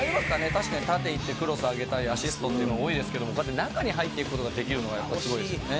確かに縦いってクロス上げたりアシストっていうの多いですけどもこうやって中に入っていく事ができるのがやっぱりすごいですよね。